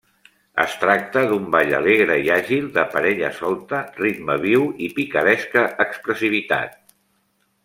Es tracta d'un ball alegre i àgil, de parella solta, ritme viu i picaresca expressivitat.